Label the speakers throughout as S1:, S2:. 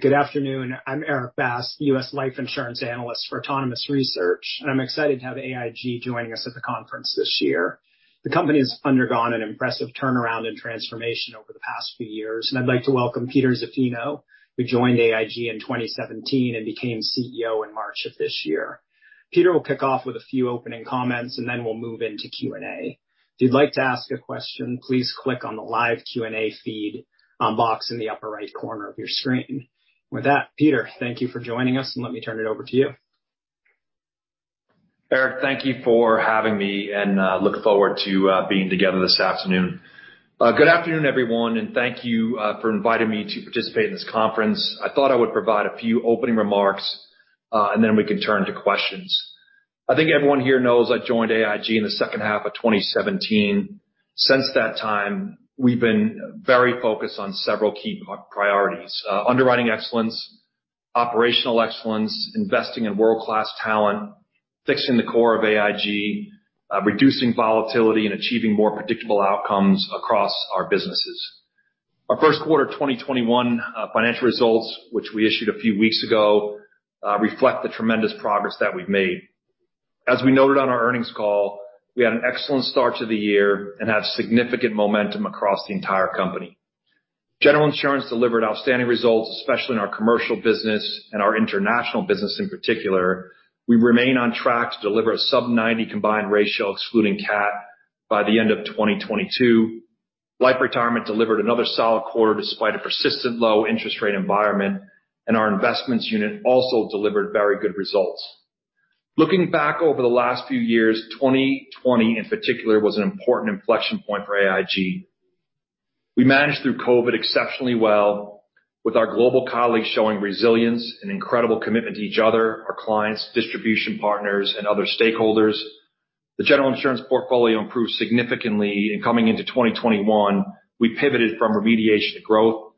S1: Good afternoon. I'm Erik Bass, U.S. life insurance analyst for Autonomous Research, and I'm excited to have AIG joining us at the conference this year. The company has undergone an impressive turnaround and transformation over the past few years, and I'd like to welcome Peter Zaffino, who joined AIG in 2017 and became CEO in March of this year. Peter will kick off with a few opening comments, and then we'll move into Q&A. If you'd like to ask a question, please click on the live Q&A feed on box in the upper right corner of your screen. With that, Peter, thank you for joining us, and let me turn it over to you.
S2: Erik, thank you for having me, and looking forward to being together this afternoon. Good afternoon, everyone, and thank you for inviting me to participate in this conference. I thought I would provide a few opening remarks, and then we can turn to questions. I think everyone here knows I joined AIG in the second half of 2017. Since that time, we've been very focused on several key priorities: underwriting excellence, operational excellence, investing in world-class talent, fixing the core of AIG, reducing volatility, and achieving more predictable outcomes across our businesses. Our first quarter 2021 financial results, which we issued a few weeks ago, reflect the tremendous progress that we've made. As we noted on our earnings call, we had an excellent start to the year and have significant momentum across the entire company. General Insurance delivered outstanding results, especially in our commercial business and our international business in particular. We remain on track to deliver a sub-90 combined ratio excluding CAT by the end of 2022. Life Retirement delivered another solid quarter despite a persistent low interest rate environment, and our investments unit also delivered very good results. Looking back over the last few years, 2020 in particular was an important inflection point for AIG. We managed through COVID exceptionally well with our global colleagues showing resilience and incredible commitment to each other, our clients, distribution partners, and other stakeholders. The General Insurance portfolio improved significantly in coming into 2021. We pivoted from remediation to growth.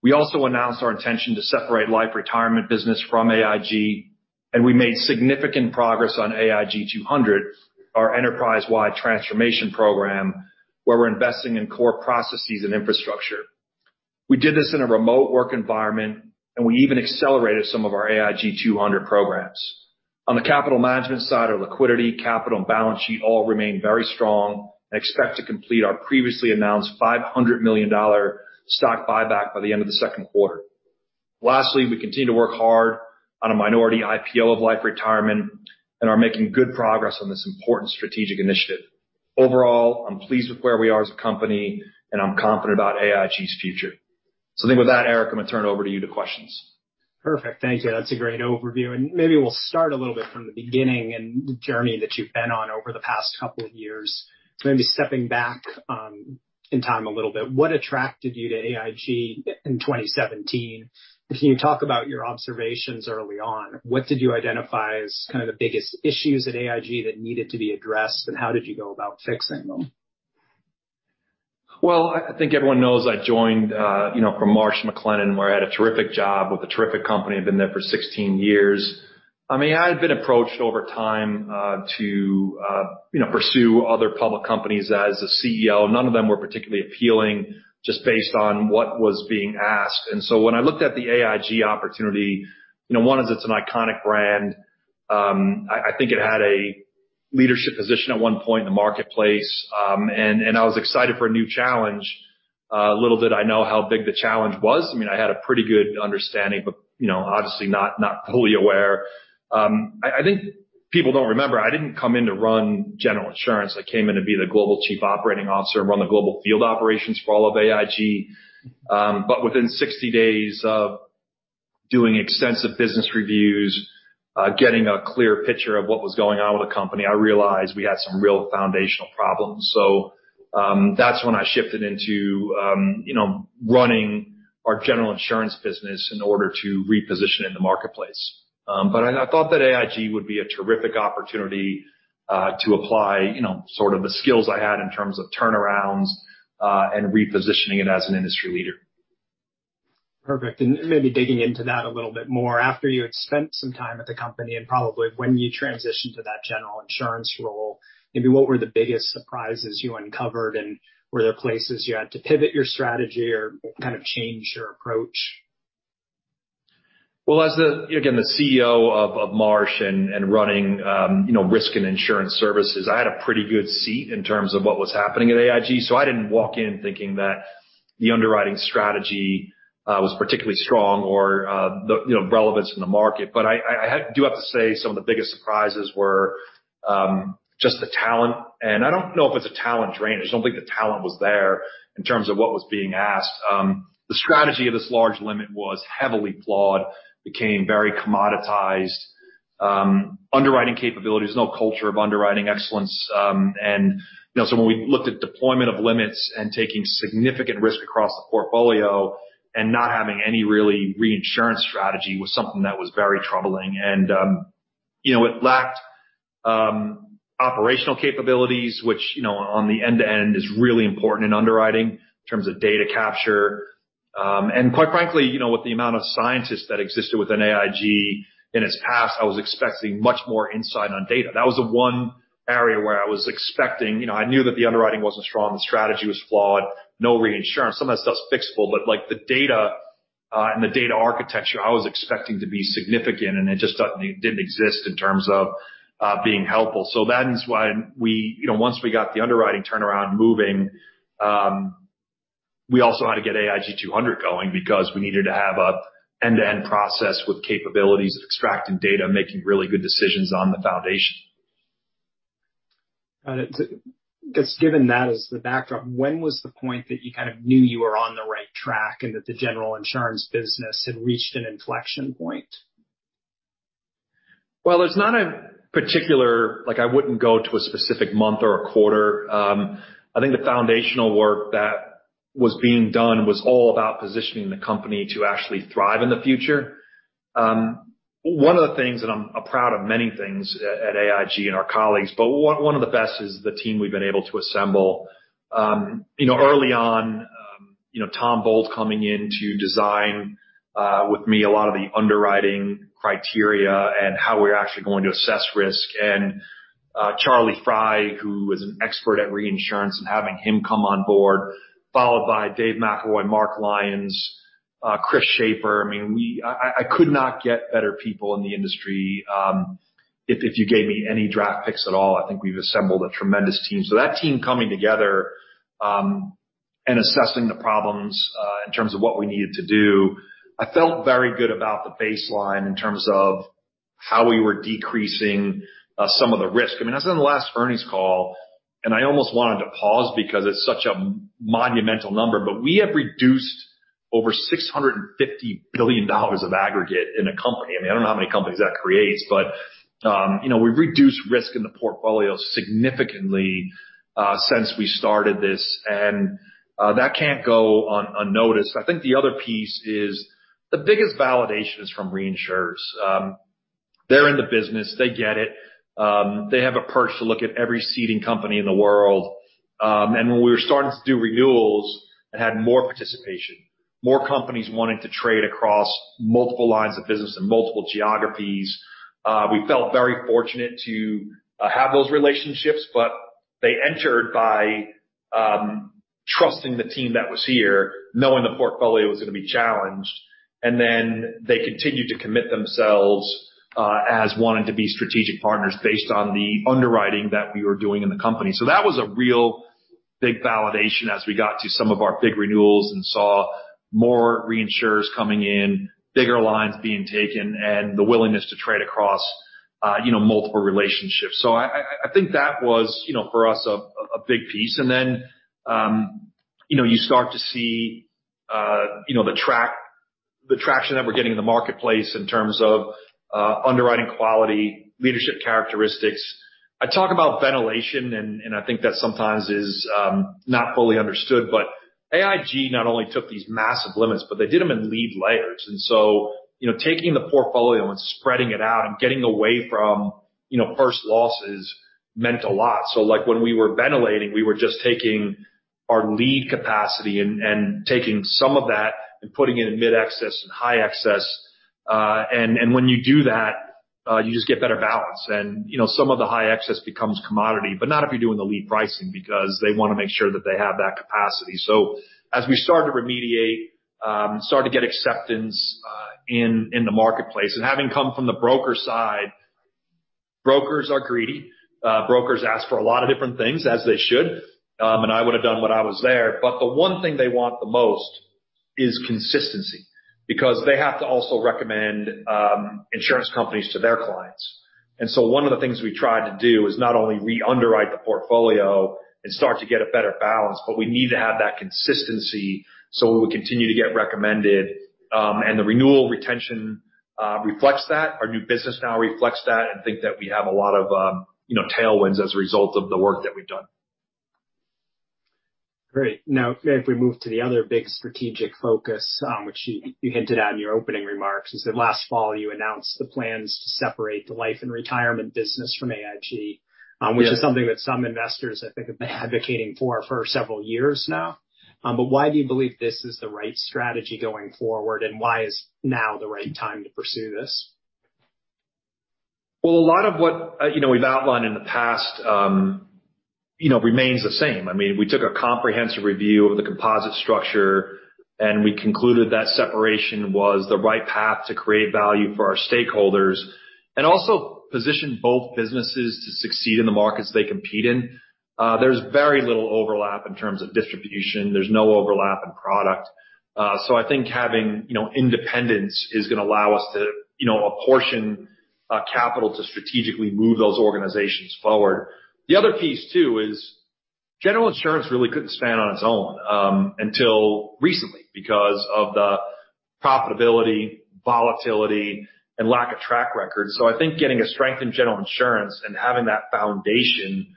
S2: We also announced our intention to separate Life Retirement business from AIG, and we made significant progress on AIG 200, our enterprise-wide transformation program, where we're investing in core processes and infrastructure. We did this in a remote work environment, and we even accelerated some of our AIG 200 programs. On the capital management side, our liquidity, capital, and balance sheet all remain very strong and expect to complete our previously announced $500 million stock buyback by the end of the second quarter. Lastly, we continue to work hard on a minority IPO of Life Retirement and are making good progress on this important strategic initiative. Overall, I'm pleased with where we are as a company, and I'm confident about AIG's future. I think with that, Erik, I'm going to turn it over to you to questions.
S1: Perfect. Thank you. That's a great overview. Maybe we'll start a little bit from the beginning and the journey that you've been on over the past couple of years. Maybe stepping back in time a little bit, what attracted you to AIG in 2017? Can you talk about your observations early on? What did you identify as kind of the biggest issues at AIG that needed to be addressed, and how did you go about fixing them?
S2: Well, I think everyone knows I joined from Marsh & McLennan, where I had a terrific job with a terrific company. I've been there for 16 years. I had been approached over time to pursue other public companies as a CEO. None of them were particularly appealing just based on what was being asked. When I looked at the AIG opportunity, one is it's an iconic brand. I think it had a leadership position at one point in the marketplace, and I was excited for a new challenge. Little did I know how big the challenge was. I had a pretty good understanding, but obviously not fully aware. I think people don't remember, I didn't come in to run General Insurance. I came in to be the Global Chief Operating Officer and run the global field operations for all of AIG. Within 60 days of doing extensive business reviews, getting a clear picture of what was going on with the company, I realized we had some real foundational problems. That's when I shifted into running our General Insurance business in order to reposition it in the marketplace. I thought that AIG would be a terrific opportunity to apply sort of the skills I had in terms of turnarounds, and repositioning it as an industry leader.
S1: Perfect. Maybe digging into that a little bit more. After you had spent some time at the company, and probably when you transitioned to that General Insurance role, maybe what were the biggest surprises you uncovered, and were there places you had to pivot your strategy or kind of change your approach?
S2: As, again, the CEO of Marsh and running risk and insurance services, I had a pretty good seat in terms of what was happening at AIG. I didn't walk in thinking that the underwriting strategy was particularly strong or relevant in the market. I do have to say some of the biggest surprises were just the talent. I don't know if it's a talent drain. I just don't think the talent was there in terms of what was being asked. The strategy of this large limit was heavily flawed, became very commoditized. Underwriting capabilities, no culture of underwriting excellence. When we looked at deployment of limits and taking significant risk across the portfolio and not having any really reinsurance strategy was something that was very troubling. It lacked operational capabilities, which on the end-to-end is really important in underwriting in terms of data capture. Quite frankly, with the amount of scientists that existed within AIG in its past, I was expecting much more insight on data. That was the one area where I knew that the underwriting wasn't strong, the strategy was flawed, no reinsurance. Some of that stuff's fixable, the data and the data architecture, I was expecting to be significant, and it just didn't exist in terms of being helpful. That is why once we got the underwriting turnaround moving, we also had to get AIG 200 going because we needed to have an end-to-end process with capabilities of extracting data and making really good decisions on the foundation.
S1: Got it. Just given that as the backdrop, when was the point that you kind of knew you were on the right track and that the General Insurance business had reached an inflection point?
S2: There's not a particular, like, I wouldn't go to a specific month or a quarter. I think the foundational work that was being done was all about positioning the company to actually thrive in the future. One of the things that I'm proud of many things at AIG and our colleagues, one of the best is the team we've been able to assemble. Early on, Don Bailey coming in to design with me a lot of the underwriting criteria and how we're actually going to assess risk. Charlie Fry, who is an expert at reinsurance, having him come on board, followed by David McElroy, Mark Lyons, Chris Schaefer. I could not get better people in the industry. If you gave me any draft picks at all, I think we've assembled a tremendous team. That team coming together, and assessing the problems, in terms of what we needed to do. I felt very good about the baseline in terms of how we were decreasing some of the risk. I said on the last earnings call, I almost wanted to pause because it's such a monumental number, we have reduced over $650 billion of aggregate in a company. I don't know how many companies that creates, we've reduced risk in the portfolio significantly since we started this, that can't go unnoticed. I think the other piece is the biggest validation is from reinsurers. They're in the business. They get it. They have a perch to look at every seeding company in the world. When we were starting to do renewals and had more participation, more companies wanting to trade across multiple lines of business and multiple geographies, we felt very fortunate to have those relationships. They entered by trusting the team that was here, knowing the portfolio was going to be challenged. They continued to commit themselves as wanting to be strategic partners based on the underwriting that we were doing in the company. That was a real big validation as we got to some of our big renewals and saw more reinsurers coming in, bigger lines being taken, the willingness to trade across multiple relationships. I think that was, for us, a big piece. You start to see the traction that we're getting in the marketplace in terms of underwriting quality, leadership characteristics. I talk about ventilation, I think that sometimes is not fully understood. AIG not only took these massive limits, they did them in lead layers. Taking the portfolio and spreading it out and getting away from first losses meant a lot. Like when we were ventilating, we were just taking our lead capacity and taking some of that and putting it in mid-excess and high excess. When you do that, you just get better balance. Some of the high excess becomes commodity, not if you're doing the lead pricing, because they want to make sure that they have that capacity. As we started to remediate, started to get acceptance in the marketplace, having come from the broker side, brokers are greedy. Brokers ask for a lot of different things as they should, I would have done when I was there. The one thing they want the most is consistency because they have to also recommend insurance companies to their clients. One of the things we tried to do is not only re-underwrite the portfolio and start to get a better balance, we need to have that consistency so we continue to get recommended. The renewal retention reflects that. Our new business now reflects that, think that we have a lot of tailwinds as a result of the work that we've done.
S1: Great. If we move to the other big strategic focus, which you hinted at in your opening remarks, is that last fall you announced the plans to separate the Life & Retirement business from AIG.
S2: Yeah
S1: Which is something that some investors I think have been advocating for for several years now. Why do you believe this is the right strategy going forward, and why is now the right time to pursue this?
S2: Well, a lot of what we've outlined in the past remains the same. We took a comprehensive review of the composite structure, and we concluded that separation was the right path to create value for our stakeholders and also position both businesses to succeed in the markets they compete in. There's very little overlap in terms of distribution. There's no overlap in product. I think having independence is going to allow us to apportion capital to strategically move those organizations forward. The other piece, too, is General Insurance really couldn't stand on its own until recently because of the profitability, volatility, and lack of track record. I think getting a strength in General Insurance and having that foundation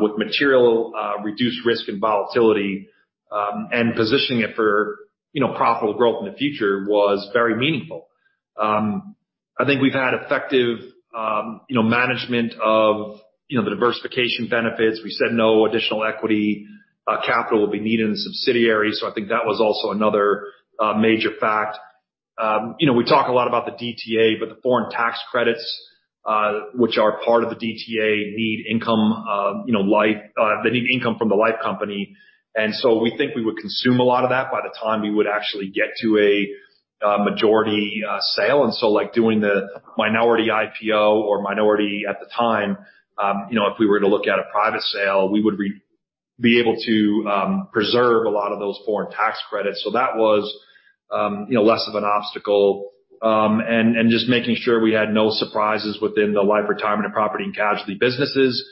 S2: with material reduced risk and volatility, and positioning it for profitable growth in the future was very meaningful. I think we've had effective management of the diversification benefits. We said no additional equity capital will be needed in subsidiaries. I think that was also another major fact. We talk a lot about the DTA, the foreign tax credits, which are part of the DTA, they need income from the life company. We think we would consume a lot of that by the time we would actually get to a majority sale. Doing the minority IPO or minority at the time, if we were to look at a private sale, we would be able to preserve a lot of those foreign tax credits. That was less of an obstacle. Just making sure we had no surprises within the Life & Retirement property and casualty businesses.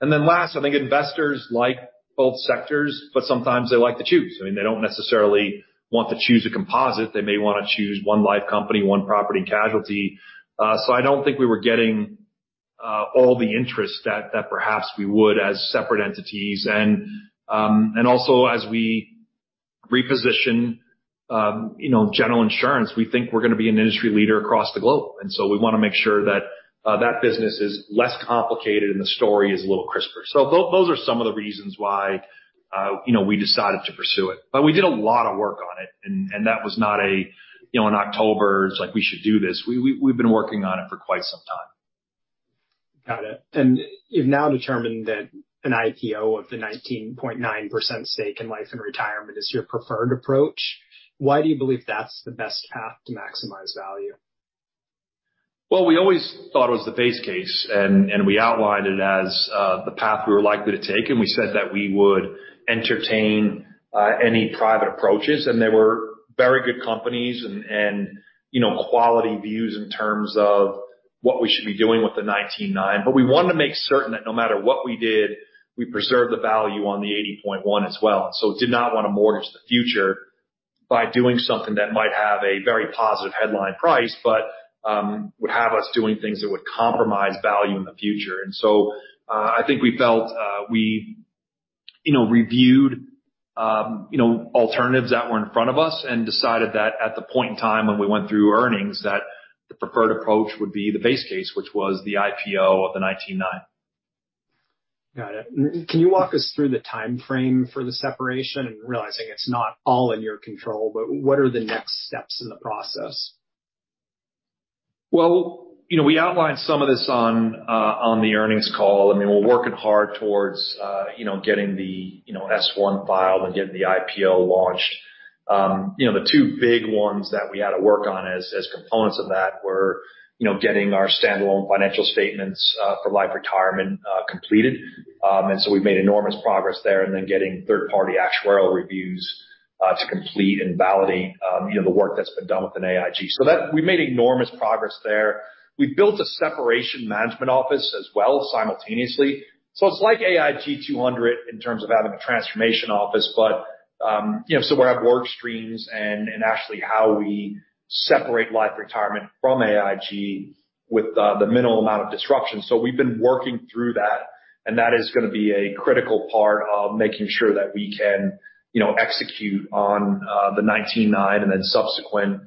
S2: Then last, I think investors like both sectors, but sometimes they like to choose. They don't necessarily want to choose a composite. They may want to choose one life company, one property and casualty. I don't think we were getting all the interest that perhaps we would as separate entities. Also as we reposition General Insurance, we think we're going to be an industry leader across the globe. We want to make sure that that business is less complicated and the story is a little crisper. Those are some of the reasons why we decided to pursue it. We did a lot of work on it, and that was not in October, "We should do this." We've been working on it for quite some time.
S1: Got it. You've now determined that an IPO of the 19.9% stake in Life & Retirement is your preferred approach. Why do you believe that's the best path to maximize value?
S2: Well, we always thought it was the base case, we outlined it as the path we were likely to take, we said that we would entertain any private approaches. They were very good companies and quality views in terms of what we should be doing with the 19.9. We wanted to make certain that no matter what we did, we preserved the value on the 80.1 as well. Did not want to mortgage the future by doing something that might have a very positive headline price, but would have us doing things that would compromise value in the future. I think we felt we reviewed alternatives that were in front of us and decided that at the point in time when we went through earnings, that the preferred approach would be the base case, which was the IPO of the 19.9.
S1: Got it. Can you walk us through the timeframe for the separation? Realizing it's not all in your control, what are the next steps in the process?
S2: We outlined some of this on the earnings call. We're working hard towards getting the S1 filed and getting the IPO launched. The two big ones that we had to work on as components of that were getting our standalone financial statements for Life & Retirement completed. We've made enormous progress there, getting third-party actuarial reviews to complete and validate the work that's been done within AIG. We've made enormous progress there. We've built a separation management office as well, simultaneously. It's like AIG 200 in terms of having a transformation office, so we have work streams and actually how we separate Life & Retirement from AIG with the minimal amount of disruption. We've been working through that, and that is going to be a critical part of making sure that we can execute on the 19.9 and then subsequent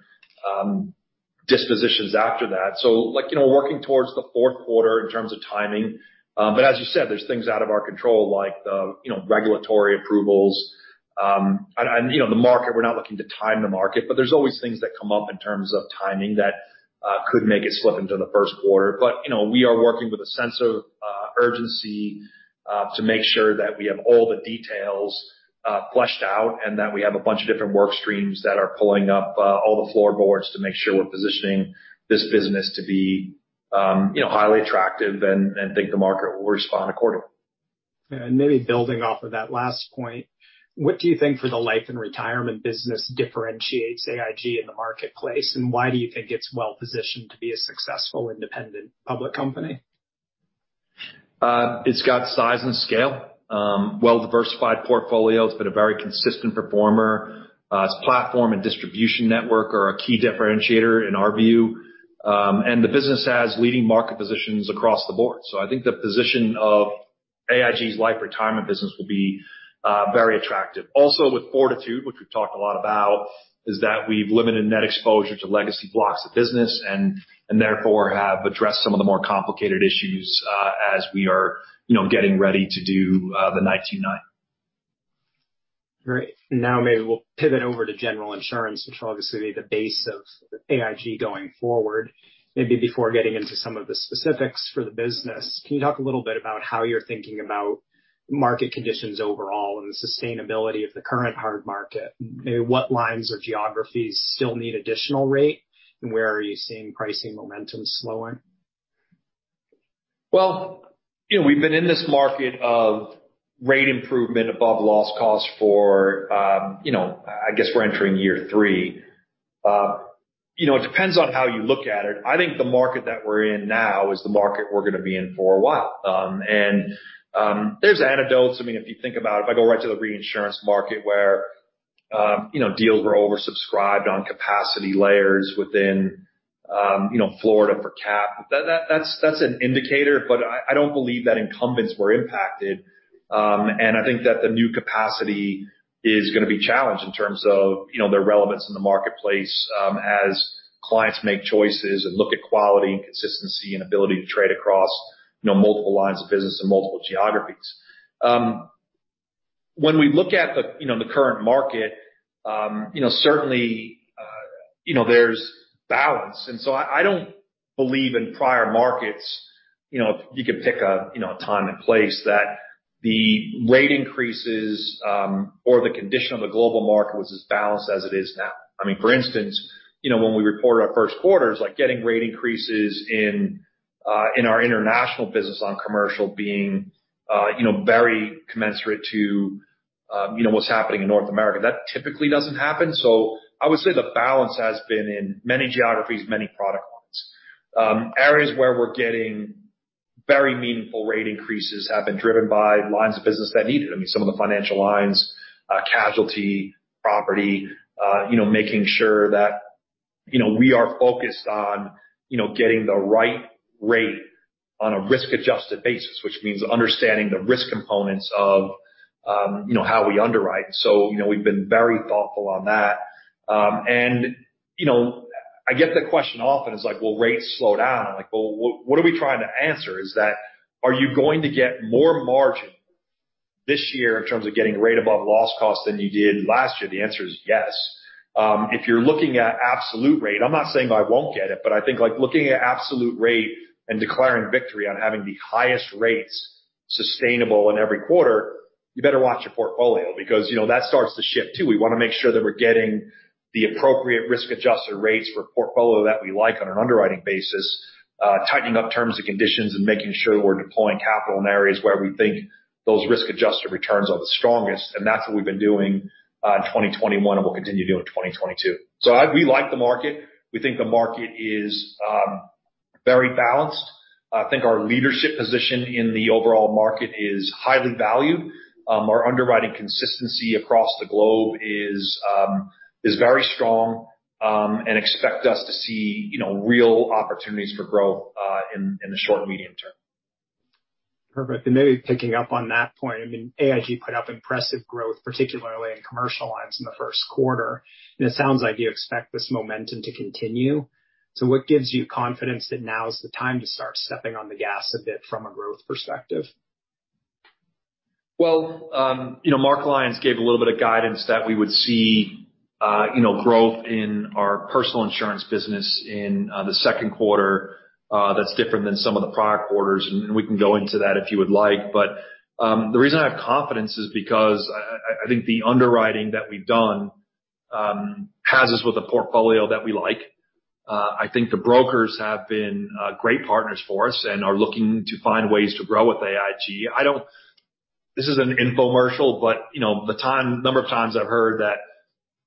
S2: dispositions after that. Working towards the fourth quarter in terms of timing. As you said, there's things out of our control like the regulatory approvals. The market, we're not looking to time the market, there's always things that come up in terms of timing that could make it slip into the first quarter. We are working with a sense of urgency to make sure that we have all the details fleshed out and that we have a bunch of different work streams that are pulling up all the floorboards to make sure we're positioning this business to be highly attractive and think the market will respond accordingly.
S1: Maybe building off of that last point, what do you think for the Life & Retirement business differentiates AIG in the marketplace, and why do you think it's well-positioned to be a successful independent public company?
S2: It's got size and scale, well-diversified portfolio. It's been a very consistent performer. Its platform and distribution network are a key differentiator in our view. The business has leading market positions across the board. I think the position of AIG's Life & Retirement business will be very attractive. Also with Fortitude Re, which we've talked a lot about, is that we've limited net exposure to legacy blocks of business and therefore have addressed some of the more complicated issues as we are getting ready to do the 19.9.
S1: Great. Now maybe we'll pivot over to General Insurance, which will obviously be the base of AIG going forward. Maybe before getting into some of the specifics for the business, can you talk a little bit about how you're thinking about market conditions overall and the sustainability of the current hard market? Where lines or geographies still need additional rate, and where are you seeing pricing momentum slowing?
S2: Well, we've been in this market of rate improvement above loss cost for, I guess we're entering year three. It depends on how you look at it. I think the market that we're in now is the market we're going to be in for a while. There's anecdotes. If you think about it, if I go right to the reinsurance market where deals were oversubscribed on capacity layers within Florida for CAT, that's an indicator, I don't believe that incumbents were impacted. I think that the new capacity is going to be challenged in terms of their relevance in the marketplace as clients make choices and look at quality and consistency and ability to trade across multiple lines of business and multiple geographies. When we look at the current market, certainly, there's balance. I don't believe in prior markets, you could pick a time and place that the rate increases, or the condition of the global market was as balanced as it is now. For instance, when we report our first quarters, getting rate increases in our international business on commercial being very commensurate to what's happening in North America. That typically doesn't happen. I would say the balance has been in many geographies, many product lines. Areas where we're getting very meaningful rate increases have been driven by lines of business that need it. Some of the financial lines, casualty, property, making sure that we are focused on getting the right rate on a risk-adjusted basis, which means understanding the risk components of how we underwrite. So, we've been very thoughtful on that. I get the question often, it's like, well, rates slow down. What are we trying to answer is that are you going to get more margin this year in terms of getting rate above loss cost than you did last year? The answer is yes. If you're looking at absolute rate, I'm not saying I won't get it, I think looking at absolute rate and declaring victory on having the highest rates sustainable in every quarter, you better watch your portfolio, because that starts to shift, too. We want to make sure that we're getting the appropriate risk-adjusted rates for a portfolio that we like on an underwriting basis, tightening up terms and conditions, and making sure we're deploying capital in areas where we think those risk-adjusted returns are the strongest. That's what we've been doing in 2021, and we'll continue doing in 2022. We like the market. We think the market is very balanced. I think our leadership position in the overall market is highly valued. Our underwriting consistency across the globe is very strong, expect us to see real opportunities for growth in the short and medium term.
S1: Perfect. Maybe picking up on that point, AIG put up impressive growth, particularly in commercial lines in the first quarter, it sounds like you expect this momentum to continue. What gives you confidence that now is the time to start stepping on the gas a bit from a growth perspective?
S2: Well, Mark Lyons gave a little bit of guidance that we would see growth in our personal insurance business in the second quarter that's different than some of the prior quarters, we can go into that if you would like. The reason I have confidence is because I think the underwriting that we've done has us with a portfolio that we like. I think the brokers have been great partners for us and are looking to find ways to grow with AIG. This is an infomercial, the number of times I've heard that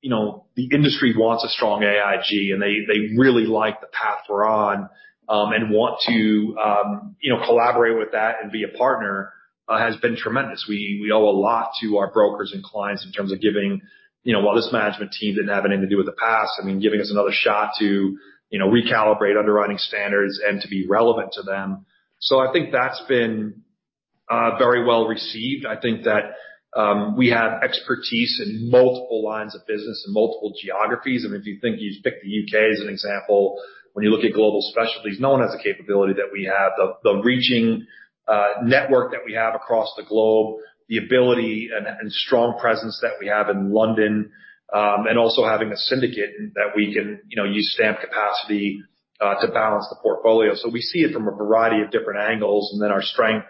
S2: the industry wants a strong AIG, they really like the path we're on, want to collaborate with that and be a partner, has been tremendous. We owe a lot to our brokers and clients in terms of giving, while this management team didn't have anything to do with the past, giving us another shot to recalibrate underwriting standards and to be relevant to them. I think that's been very well received. I think that we have expertise in multiple lines of business and multiple geographies. If you think, you pick the U.K. as an example, when you look at global specialties, no one has the capability that we have, the reaching network that we have across the globe, the ability and strong presence that we have in London, also having a syndicate that we can use stamp capacity to balance the portfolio. We see it from a variety of different angles, then our strength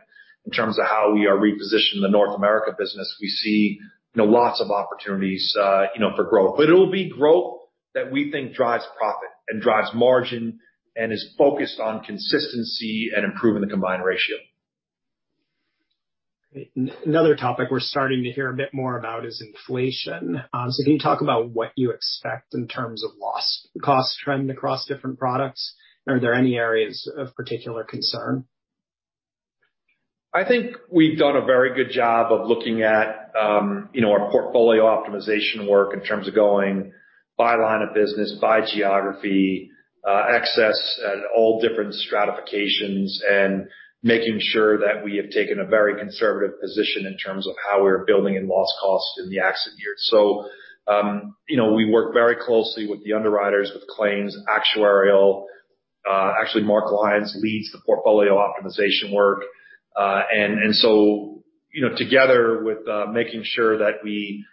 S2: in terms of how we are repositioned in the North America business. We see lots of opportunities for growth. It'll be growth that we think drives profit and drives margin and is focused on consistency and improving the combined ratio.
S1: Great. Another topic we're starting to hear a bit more about is inflation. Can you talk about what you expect in terms of loss cost trend across different products? Are there any areas of particular concern?
S2: I think we've done a very good job of looking at our portfolio optimization work in terms of going by line of business, by geography, excess at all different stratifications, and making sure that we have taken a very conservative position in terms of how we're building in loss costs in the accident year. We work very closely with the underwriters, with claims, actuarial. Actually, Mark Lyons leads the portfolio optimization work. Together with making sure that we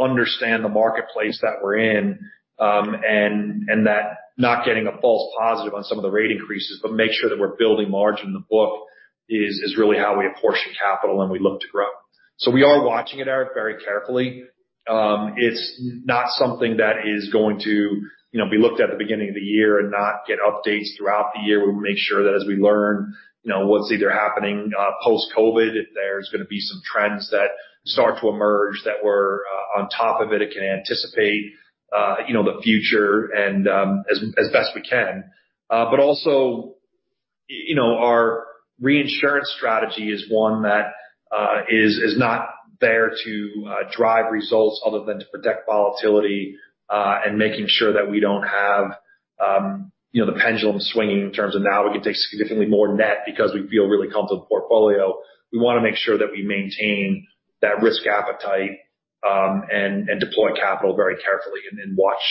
S2: understand the marketplace that we're in, and that not getting a false positive on some of the rate increases, but make sure that we're building margin in the book is really how we apportion capital, and we look to grow. We are watching it, Erik, very carefully. It's not something that is going to be looked at the beginning of the year and not get updates throughout the year. We'll make sure that as we learn what's either happening post-COVID, if there's going to be some trends that start to emerge that we're on top of it and can anticipate the future as best we can. Also, our reinsurance strategy is one that is not there to drive results other than to protect volatility, and making sure that we don't have the pendulum swinging in terms of now we can take significantly more net because we feel really comfortable with the portfolio. We want to make sure that we maintain that risk appetite deploy capital very carefully and watch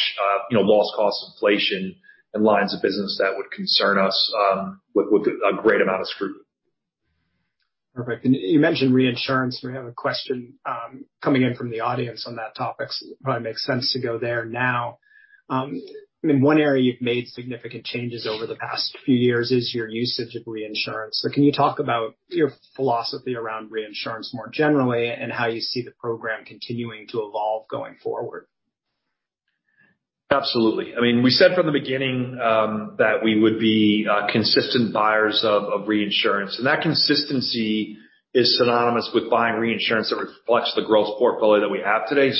S2: loss cost inflation in lines of business that would concern us with a great amount of scrutiny.
S1: Perfect. You mentioned reinsurance. We have a question coming in from the audience on that topic, so it probably makes sense to go there now. One area you've made significant changes over the past few years is your usage of reinsurance. Can you talk about your philosophy around reinsurance more generally and how you see the program continuing to evolve going forward?
S2: Absolutely. We said from the beginning that we would be consistent buyers of reinsurance, and that consistency is synonymous with buying reinsurance that reflects the growth portfolio that we have today.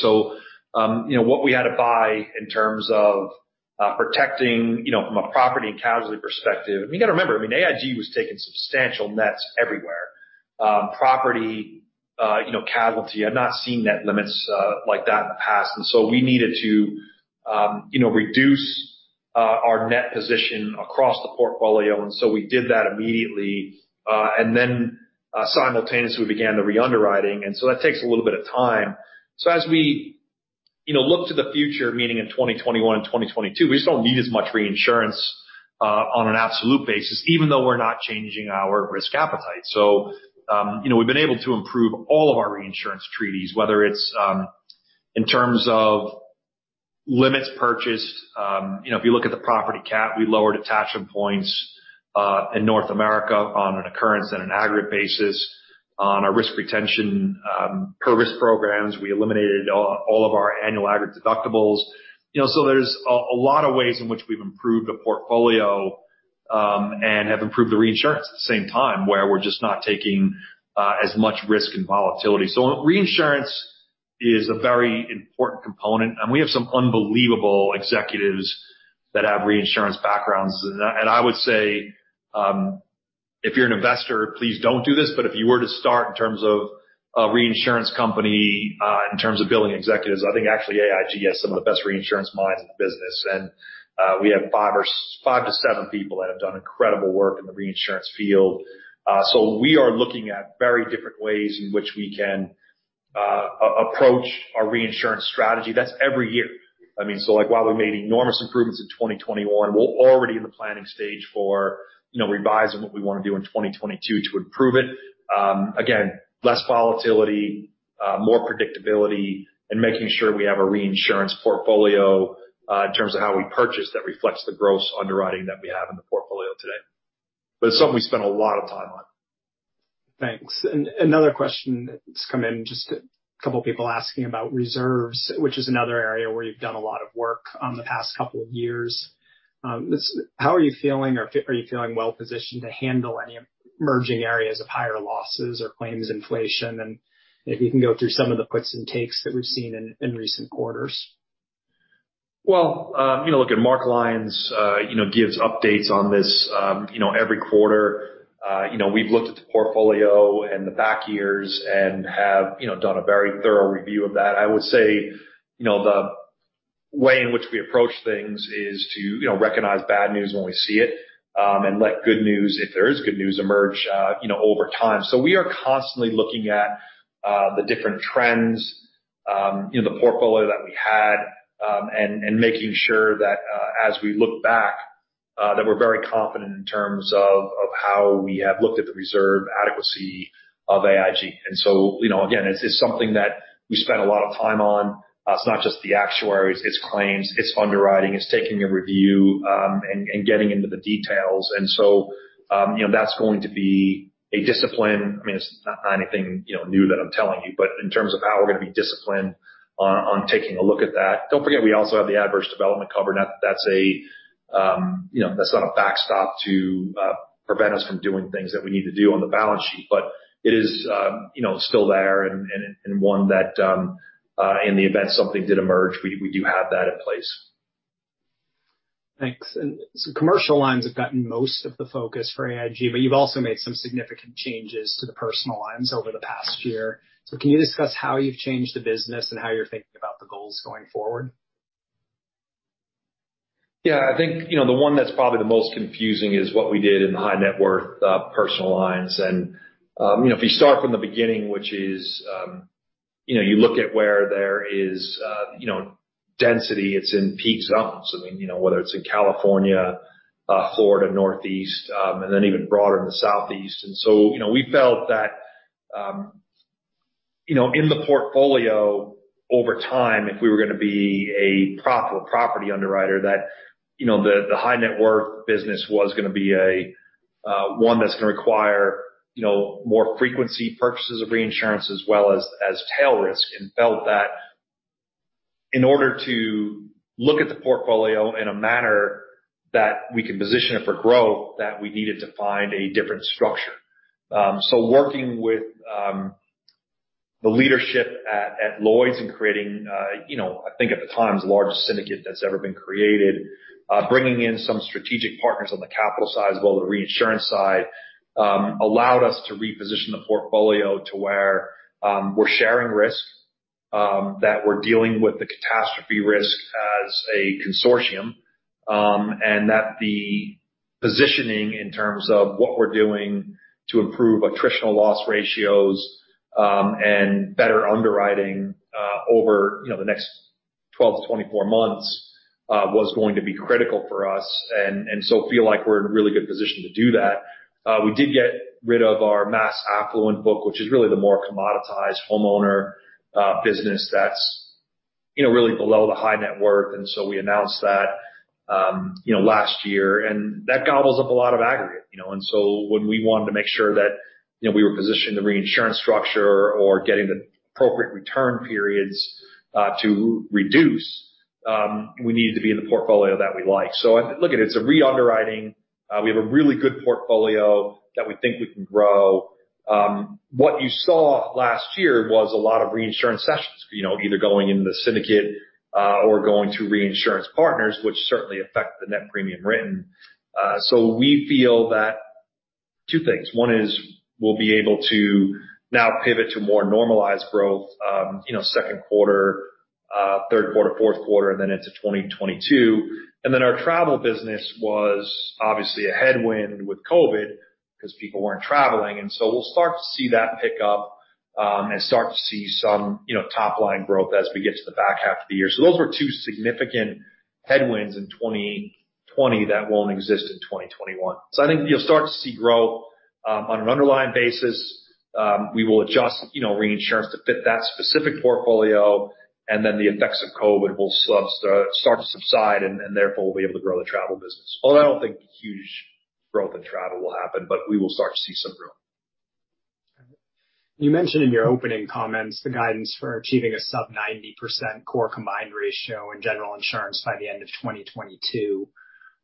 S2: What we had to buy in terms of protecting from a property and casualty perspective, you got to remember, AIG was taking substantial nets everywhere. Property, casualty, I've not seen net limits like that in the past. We needed to reduce our net position across the portfolio. We did that immediately. Then simultaneously, we began the re-underwriting. That takes a little bit of time. As we look to the future, meaning in 2021 and 2022, we just don't need as much reinsurance on an absolute basis, even though we're not changing our risk appetite. We've been able to improve all of our reinsurance treaties, whether it's in terms of limits purchased. If you look at the property CAT, we lowered attachment points in North America on an occurrence and an aggregate basis on our risk retention per risk programs. We eliminated all of our annual aggregate deductibles. There's a lot of ways in which we've improved the portfolio, and have improved the reinsurance at the same time, where we're just not taking as much risk and volatility. Reinsurance is a very important component, and we have some unbelievable executives that have reinsurance backgrounds. I would say, if you're an investor, please don't do this, but if you were to start in terms of a reinsurance company, in terms of building executives, I think actually AIG has some of the best reinsurance minds in the business. We have five to seven people that have done incredible work in the reinsurance field. We are looking at very different ways in which we can approach our reinsurance strategy. That's every year. While we made enormous improvements in 2021, we're already in the planning stage for revising what we want to do in 2022 to improve it. Again, less volatility, more predictability, and making sure we have a reinsurance portfolio in terms of how we purchase that reflects the gross underwriting that we have in the portfolio today. It's something we spend a lot of time on.
S1: Thanks. Another question that's come in, just a couple of people asking about reserves, which is another area where you've done a lot of work on the past couple of years. How are you feeling? Are you feeling well-positioned to handle any emerging areas of higher losses or claims inflation? Maybe you can go through some of the puts and takes that we've seen in recent quarters.
S2: Well, look at Mark Lyons gives updates on this every quarter. We've looked at the portfolio and the back years and have done a very thorough review of that. I would say the way in which we approach things is to recognize bad news when we see it, and let good news, if there is good news, emerge over time. We are constantly looking at the different trends in the portfolio that we had, and making sure that as we look back, that we're very confident in terms of how we have looked at the reserve adequacy of AIG. Again, it's something that we spend a lot of time on. It's not just the actuaries, it's claims, it's underwriting, it's taking a review, and getting into the details. That's going to be a discipline. It's not anything new that I'm telling you, but in terms of how we're going to be disciplined on taking a look at that. Don't forget, we also have the adverse development cover. Now that's not a backstop to prevent us from doing things that we need to do on the balance sheet. It is still there and one that in the event something did emerge, we do have that in place.
S1: Thanks. Commercial lines have gotten most of the focus for AIG, but you've also made some significant changes to the personal lines over the past year. Can you discuss how you've changed the business and how you're thinking about the goals going forward?
S2: I think the one that's probably the most confusing is what we did in the high net worth personal lines. If you start from the beginning, which is you look at where there is density, it's in peak zones. Whether it's in California, Florida, Northeast, and then even broader in the Southeast. We felt that in the portfolio over time, if we were going to be a profitable property underwriter, that the high net worth business was going to be one that's going to require more frequency purchases of reinsurance as well as tail risk. Felt that in order to look at the portfolio in a manner that we could position it for growth, that we needed to find a different structure. Working with the leadership at Lloyd's and creating, I think at the time, the largest syndicate that's ever been created, bringing in some strategic partners on the capital side as well, the reinsurance side, allowed us to reposition the portfolio to where we're sharing risk, that we're dealing with the catastrophe risk as a consortium. The positioning in terms of what we're doing to improve attritional loss ratios, and better underwriting over the next 12 to 24 months, was going to be critical for us, feel like we're in a really good position to do that. We did get rid of our mass affluent book, which is really the more commoditized homeowner business that's really below the high net worth, we announced that last year. That gobbles up a lot of aggregate. When we wanted to make sure that we were positioned the reinsurance structure or getting the appropriate return periods, to reduce, we needed to be in the portfolio that we like. Look, it's a re-underwriting. We have a really good portfolio that we think we can grow. What you saw last year was a lot of reinsurance cessions, either going into the syndicate, or going to reinsurance partners, which certainly affect the net premium written. We feel that two things. One is we'll be able to now pivot to more normalized growth, second quarter, third quarter, fourth quarter, and then into 2022. Our travel business was obviously a headwind with COVID because people weren't traveling, we'll start to see that pick up, and start to see some top-line growth as we get to the back half of the year. Those were two significant headwinds in 2020 that won't exist in 2021. I think you'll start to see growth, on an underlying basis. We will adjust reinsurance to fit that specific portfolio, the effects of COVID will start to subside and therefore we'll be able to grow the travel business. Although I don't think huge growth in travel will happen, but we will start to see some growth.
S1: You mentioned in your opening comments the guidance for achieving a sub 90% core combined ratio in General Insurance by the end of 2022.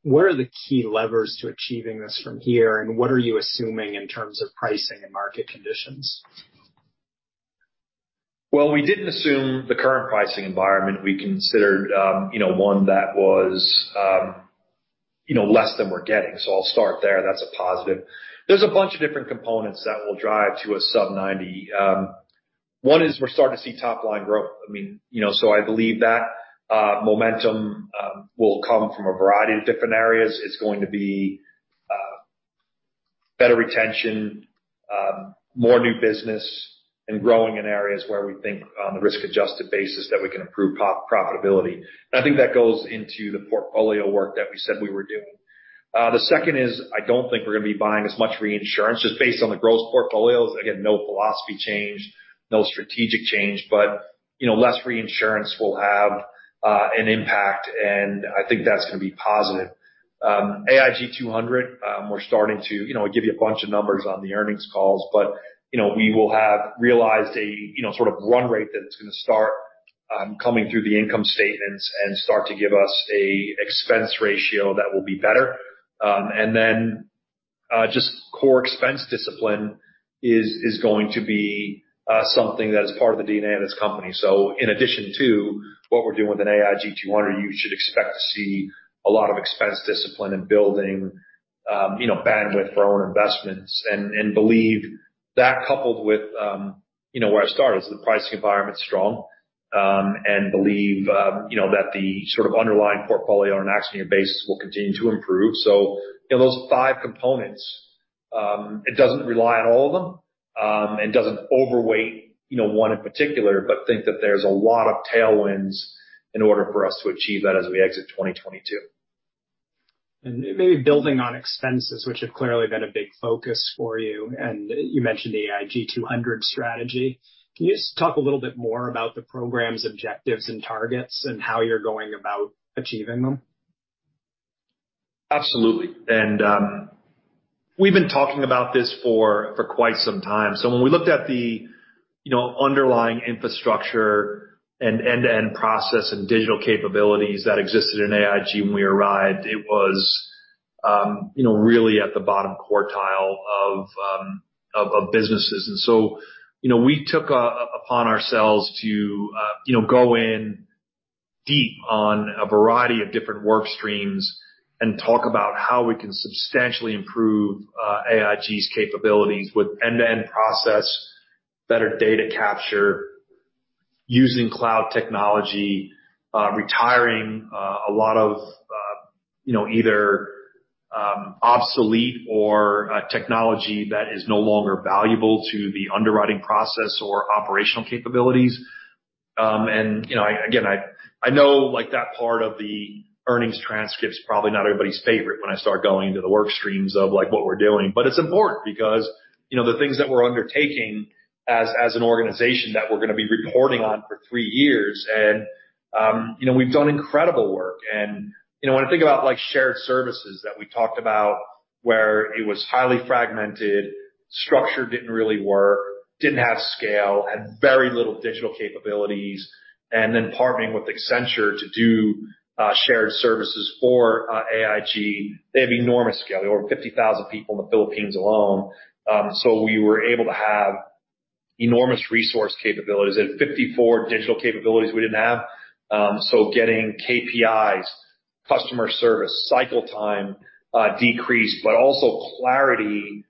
S1: What are the key levers to achieving this from here, and what are you assuming in terms of pricing and market conditions?
S2: Well, we didn't assume the current pricing environment. We considered one that was less than we're getting. I'll start there. That's a positive. There's a bunch of different components that will drive to a sub 90. One is we're starting to see top-line growth. I believe that momentum will come from a variety of different areas. It's going to be better retention, more new business, and growing in areas where we think on the risk-adjusted basis that we can improve profitability. I think that goes into the portfolio work that we said we were doing. The second is, I don't think we're going to be buying as much reinsurance just based on the gross portfolios. Again, no philosophy change, no strategic change, but less reinsurance will have an impact, and I think that's going to be positive. AIG 200, we give you a bunch of numbers on the earnings calls, but we will have realized a sort of run rate that it's going to start coming through the income statements and start to give us a expense ratio that will be better. Then, just core expense discipline is going to be something that is part of the DNA of this company. In addition to what we're doing with an AIG 200, you should expect to see a lot of expense discipline and building bandwidth for our own investments. Believe that coupled with where I started, is the pricing environment's strong, and believe that the sort of underlying portfolio on an accident year basis will continue to improve. Those are five components. It doesn't rely on all of them, and doesn't overweight one in particular, but think that there's a lot of tailwinds in order for us to achieve that as we exit 2022.
S1: Maybe building on expenses, which have clearly been a big focus for you, and you mentioned the AIG 200 strategy. Can you just talk a little bit more about the program's objectives and targets and how you're going about achieving them?
S2: Absolutely. We've been talking about this for quite some time. When we looked at the underlying infrastructure and end-to-end process and digital capabilities that existed in AIG when we arrived, it was really at the bottom quartile of businesses. We took upon ourselves to go in deep on a variety of different work streams and talk about how we can substantially improve AIG's capabilities with end-to-end process, better data capture, using cloud technology, retiring a lot of either obsolete or technology that is no longer valuable to the underwriting process or operational capabilities. Again, I know that part of the earnings transcript is probably not everybody's favorite when I start going into the work streams of what we're doing. It's important because the things that we're undertaking as an organization that we're going to be reporting on for 3 years, and we've done incredible work. When I think about shared services that we talked about where it was highly fragmented, structure didn't really work, didn't have scale, had very little digital capabilities. Then partnering with Accenture to do shared services for AIG, they have enormous scale. They have over 50,000 people in the Philippines alone. We were able to have enormous resource capabilities. They had 54 digital capabilities we didn't have. Getting KPIs, customer service, cycle time decrease, but also clarity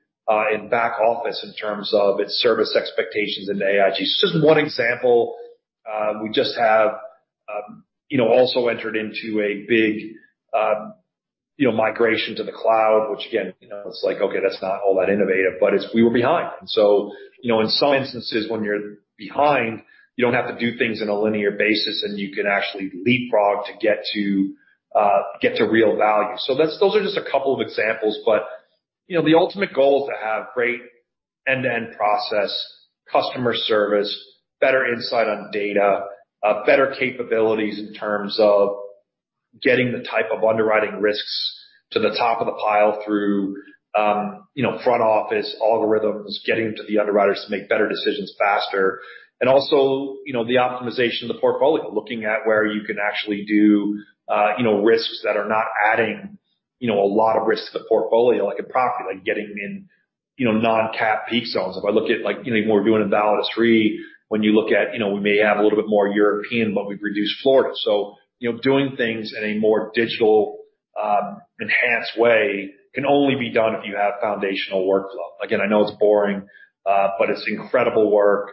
S2: in back office in terms of its service expectations into AIG. It's just one example. We just have also entered into a big migration to the cloud, which again, it's like, okay, that's not all that innovative, but we were behind. In some instances, when you're behind, you don't have to do things in a linear basis, and you can actually leapfrog to get to real value. Those are just a couple of examples. The ultimate goal is to have great end-to-end process, customer service, better insight on data, better capabilities in terms of getting the type of underwriting risks to the top of the pile through front office algorithms, getting them to the underwriters to make better decisions faster. Also, the optimization of the portfolio, looking at where you can actually do risks that are not adding a lot of risk to the portfolio, like a property, like getting in non-CAT peak zones. If I look at what we're doing in down the street, when you look at, we may have a little bit more European, but we've reduced Florida. Doing things in a more digital, enhanced way can only be done if you have foundational workflow. I know it's boring, but it's incredible work.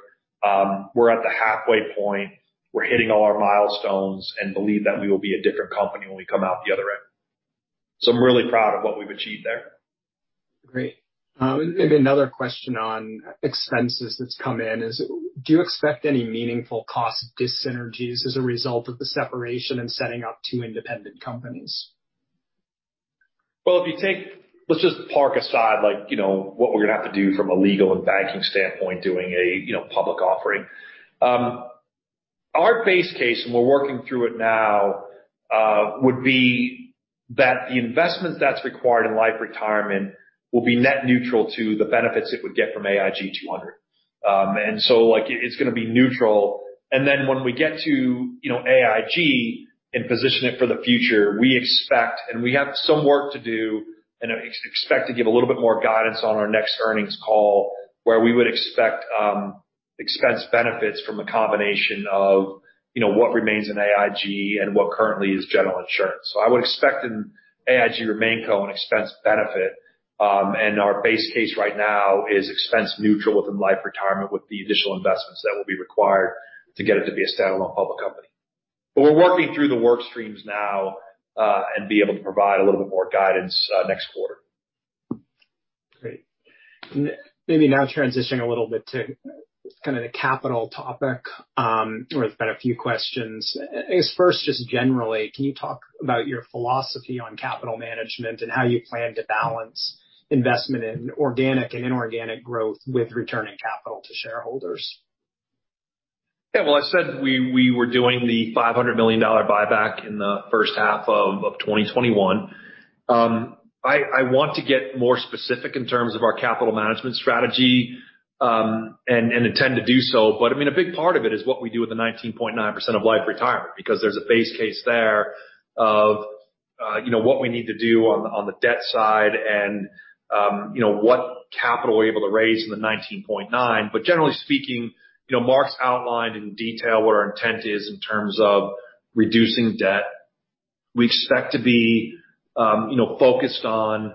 S2: We're at the halfway point. We're hitting all our milestones and believe that we will be a different company when we come out the other end. I'm really proud of what we've achieved there.
S1: Great. Maybe another question on expenses that's come in is, do you expect any meaningful cost synergies as a result of the separation and setting up two independent companies?
S2: Let's just park aside what we're going to have to do from a legal and banking standpoint, doing a public offering. Our base case, and we're working through it now, would be that the investment that's required in Life & Retirement will be net neutral to the benefits it would get from AIG 200. It's going to be neutral. When we get to AIG and position it for the future, we expect, and we have some work to do, and expect to give a little bit more guidance on our next earnings call, where we would expect expense benefits from a combination of what remains in AIG and what currently is General Insurance. I would expect in AIG, your main co, an expense benefit, and our base case right now is expense neutral within Life & Retirement with the additional investments that will be required to get it to be a standalone public company. We're working through the work streams now and be able to provide a little bit more guidance next quarter.
S1: Great. Maybe now transitioning a little bit to kind of the capital topic. There's been a few questions. I guess first, just generally, can you talk about your philosophy on capital management and how you plan to balance investment in organic and inorganic growth with returning capital to shareholders?
S2: Yeah. Well, I said we were doing the $500 million buyback in the first half of 2021. I want to get more specific in terms of our capital management strategy, and intend to do so. A big part of it is what we do with the 19.9% of Life & Retirement, because there's a base case there of what we need to do on the debt side and what capital we're able to raise in the 19.9. Generally speaking, Mark's outlined in detail what our intent is in terms of reducing debt. We expect to be focused on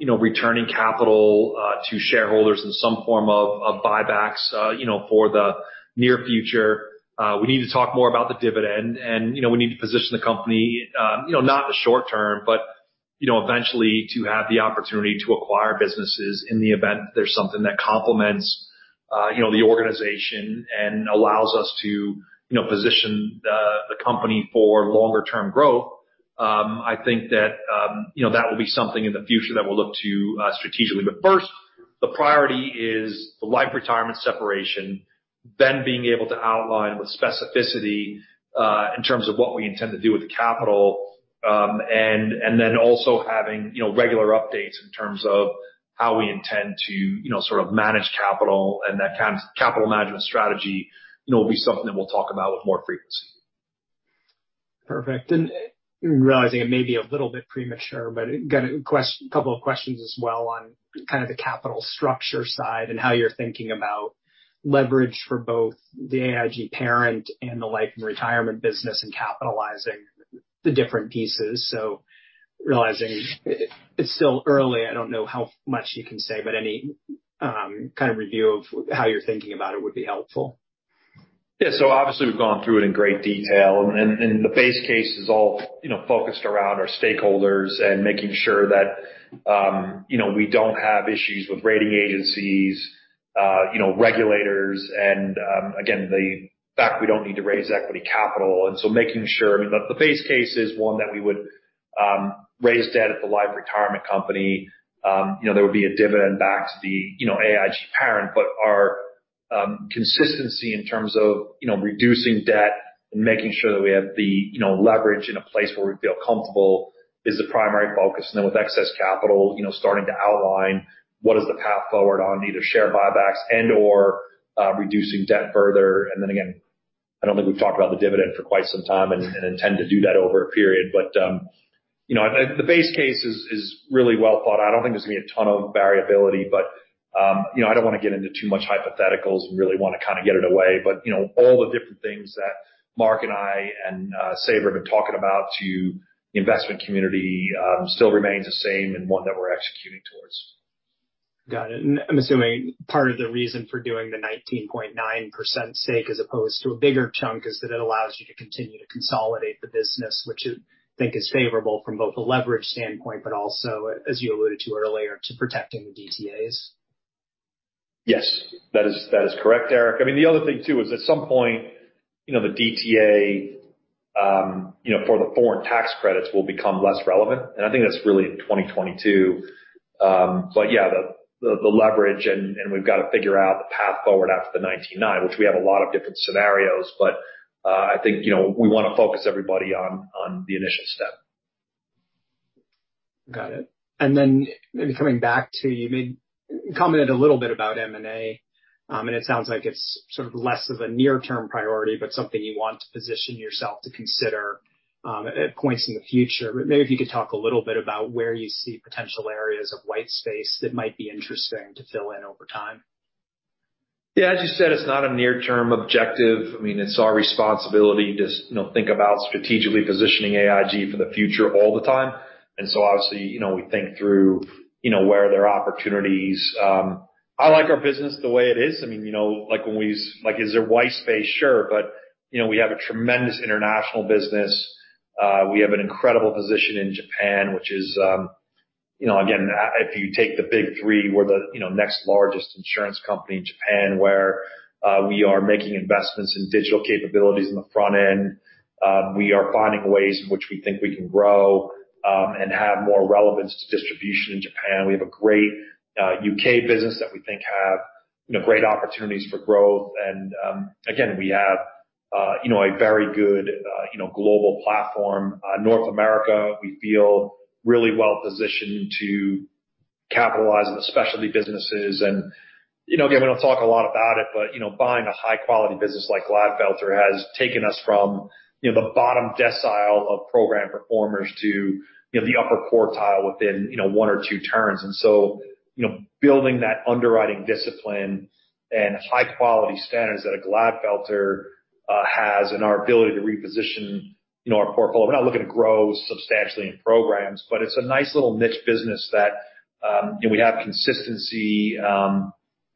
S2: returning capital to shareholders in some form of buybacks for the near future. We need to talk more about the dividend, and we need to position the company, not in the short term, but eventually to have the opportunity to acquire businesses in the event that there's something that complements the organization and allows us to position the company for longer term growth. I think that will be something in the future that we'll look to strategically. First, the priority is the Life & Retirement separation, then being able to outline with specificity, in terms of what we intend to do with the capital, and then also having regular updates in terms of how we intend to sort of manage capital, and that capital management strategy will be something that we'll talk about with more frequency.
S1: Perfect. Realizing it may be a little bit premature, but got a couple of questions as well on kind of the capital structure side and how you're thinking about leverage for both the AIG parent and the Life & Retirement business and capitalizing the different pieces. Realizing it's still early, I don't know how much you can say, but any kind of review of how you're thinking about it would be helpful.
S2: Yeah. Obviously, we've gone through it in great detail, the base case is all focused around our stakeholders and making sure that we don't have issues with rating agencies, regulators, the fact we don't need to raise equity capital. Making sure the base case is one that we would raise debt at the Life & Retirement company. There would be a dividend back to the AIG parent. Our consistency in terms of reducing debt and making sure that we have the leverage in a place where we feel comfortable is the primary focus. With excess capital, starting to outline what is the path forward on either share buybacks and/or reducing debt further. Again, I don't think we've talked about the dividend for quite some time and intend to do that over a period. The base case is really well thought out. I don't think there's going to be a ton of variability. I don't want to get into too much hypotheticals and really want to kind of get it away. All the different things that Mark and I and Sabra have been talking about to the investment community still remains the same and one that we're executing to.
S1: Got it. I'm assuming part of the reason for doing the 19.9% stake as opposed to a bigger chunk is that it allows you to continue to consolidate the business, which you think is favorable from both a leverage standpoint, but also, as you alluded to earlier, to protecting the DTAs.
S2: Yes. That is correct, Erik. I mean, the other thing too is at some point, the DTA, for the foreign tax credits will become less relevant, and I think that's really in 2022. Yeah, the leverage and we've got to figure out the path forward after the 19.9, which we have a lot of different scenarios, I think, we want to focus everybody on the initial step.
S1: Got it. Maybe coming back to, you commented a little bit about M&A, and it sounds like it's sort of less of a near-term priority, something you want to position yourself to consider, at points in the future. Maybe if you could talk a little bit about where you see potential areas of white space that might be interesting to fill in over time.
S2: Yeah, as you said, it's not a near-term objective. I mean, it's our responsibility to think about strategically positioning AIG for the future all the time. Obviously, we think through where there are opportunities. I like our business the way it is. I mean, like is there white space? Sure. We have a tremendous international business. We have an incredible position in Japan, which is, again, if you take the big three, we're the next largest insurance company in Japan, where we are making investments in digital capabilities in the front end. We are finding ways in which we think we can grow, and have more relevance to distribution in Japan. We have a great U.K. business that we think have great opportunities for growth. Again, we have a very good global platform. North America, we feel really well-positioned to capitalize on the specialty businesses. Again, we don't talk a lot about it, buying a high-quality business like Glatfelter has taken us from the bottom decile of program performers to the upper quartile within one or two turns. Building that underwriting discipline and high-quality standards that a Glatfelter has and our ability to reposition our portfolio. We're not looking to grow substantially in programs, but it's a nice little niche business that we have consistency,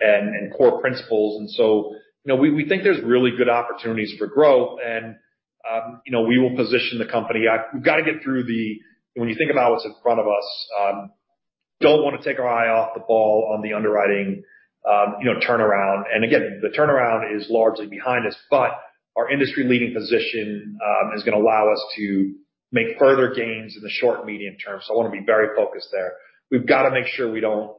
S2: and core principles. We think there's really good opportunities for growth and we will position the company. We've got to get through the when you think about what's in front of us, don't want to take our eye off the ball on the underwriting turnaround. The turnaround is largely behind us, but our industry-leading position is going to allow us to make further gains in the short and medium term. I want to be very focused there. We've got to make sure we don't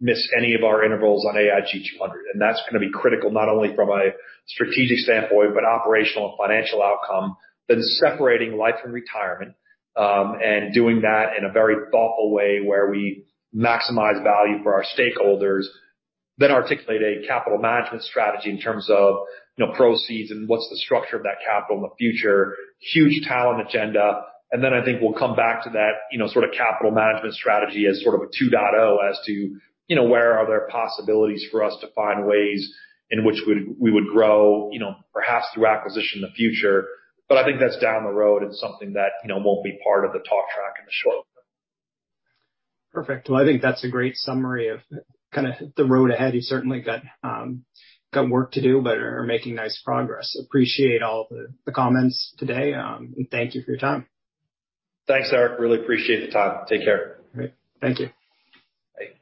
S2: miss any of our intervals on AIG 200, and that's going to be critical not only from a strategic standpoint, but operational and financial outcome, then separating Life & Retirement, and doing that in a very thoughtful way where we maximize value for our stakeholders, then articulate a capital management strategy in terms of proceeds and what's the structure of that capital in the future, huge talent agenda. I think we'll come back to that sort of capital management strategy as sort of a 2.0 as to where are there possibilities for us to find ways in which we would grow perhaps through acquisition in the future. I think that's down the road and something that won't be part of the talk track in the short term.
S1: Perfect. Well, I think that's a great summary of kind of the road ahead. You certainly got work to do, but are making nice progress. Appreciate all the comments today, and thank you for your time.
S2: Thanks, Erik. Really appreciate the time. Take care.
S1: Great. Thank you.
S2: Bye.